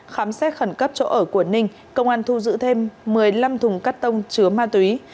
khám xét khẩn cấp chỗ ở của ninh công an thu giữ thêm một mươi năm thùng cắt tông chứa ma túy